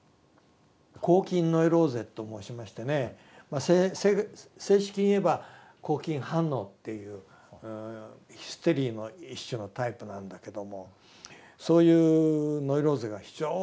拘禁ノイローゼと申しましてね正式に言えば拘禁反応っていうヒステリーの一種のタイプなんだけどもそういうノイローゼが非常に多い。